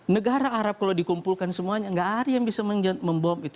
negara arab kalau dikumpulkan semuanya gak ada yang bisa membom itu